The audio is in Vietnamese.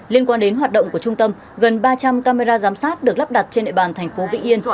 liên quan đến hoạt động của trung tâm gần ba trăm linh camera giám sát được lắp đặt trên địa bàn thành phố vĩnh yên